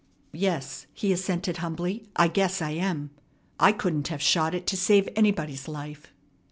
"Yes," he assented humbly, "I guess I am. I couldn't have shot it to save anybody's life."